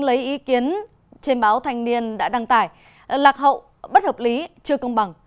lấy ý kiến trên báo thanh niên đã đăng tải lạc hậu bất hợp lý chưa công bằng